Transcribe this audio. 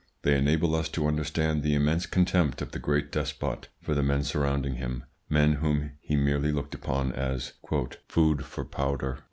They enable us to understand the immense contempt of the great despot for the men surrounding him men whom he merely looked upon as "food for powder."